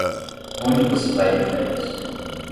Onde você vai de férias?